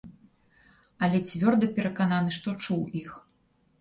Але цвёрда перакананы, што чуў іх.